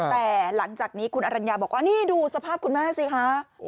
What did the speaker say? แต่หลังจากนี้คุณอรัญญาบอกว่านี่ดูสภาพคุณแม่สิคะ